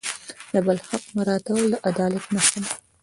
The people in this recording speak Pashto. د بل حق مراعتول د عدالت نښه ده.